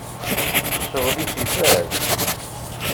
Ccɣel-is ifaz!